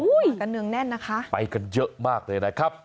กันเนืองแน่นนะคะไปกันเยอะมากเลยนะครับ